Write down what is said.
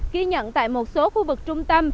khi nhận tại một số khu vực trung tâm